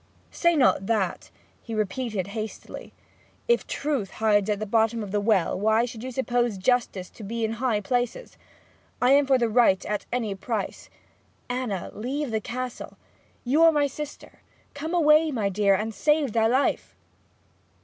'Say not that,' he replied hastily. 'If truth hides at the bottom of a well, why should you suppose justice to be in high places? I am for the right at any price. Anna, leave the Castle; you are my sister; come away, my dear, and save thy life!'